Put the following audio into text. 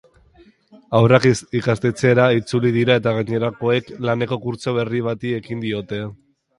Haurrak ikastetxeetara itzuli dira eta gainerakoek laneko kurtso berri bati ekin diote.